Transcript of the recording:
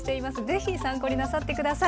是非参考になさって下さい。